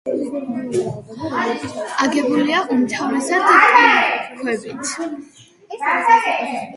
აგებულია უმთავრესად კირქვებით.